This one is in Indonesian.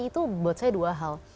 itu buat saya dua hal